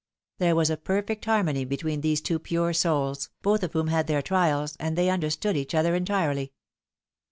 There was a perfect harmony between these two pure souls, both of whom had their trials, and they understood each other entirely.